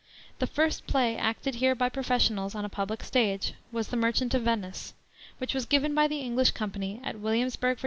The first play acted here by professionals on a public stage was the Merchant of Venice, which was given by the English company at Williamsburg, Va.